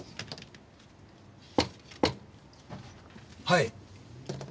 はい。